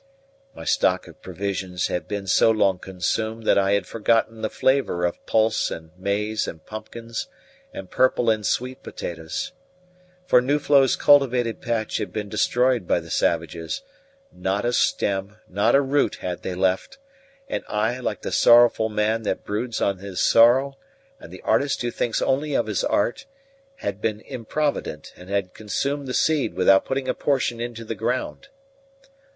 My stock of provisions had been so long consumed that I had forgotten the flavour of pulse and maize and pumpkins and purple and sweet potatoes. For Nuflo's cultivated patch had been destroyed by the savages not a stem, not a root had they left: and I, like the sorrowful man that broods on his sorrow and the artist who thinks only of his art, had been improvident and had consumed the seed without putting a portion into the ground.